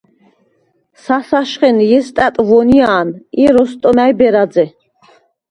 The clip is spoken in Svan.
სასაშხენ – ჲესტატ ვონია̄ნ ი როსტომაჲ ბერაძე.